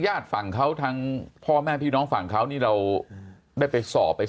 ญาติฝั่งเขาทางพ่อแม่พี่น้องฝั่งเขานี่เราได้ไปสอบไปสอบ